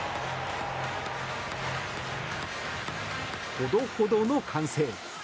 ほどほどの歓声。